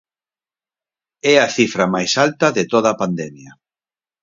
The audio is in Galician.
É a cifra máis alta de toda a pandemia.